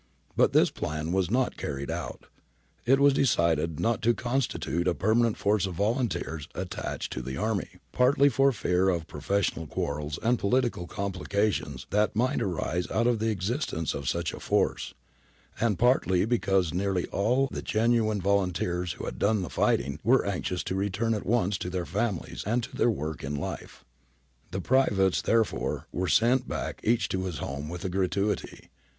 But this plan was not carried out. It was decided not to con stitute a permanent force of volunteers attached to the army, partly for fear of professional quarrels and political complications that might arise out of the existence of such a force, and partly because nearly all the genuine volunteers who had done the fighting were anxious to return at once to their families and their work in life. The privates, therefore, were sent back each to his home with a gratuity.